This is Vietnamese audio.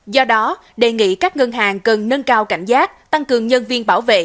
do đó đề nghị các ngân hàng cần nâng cao cảnh giác tăng cường nhân viên bảo vệ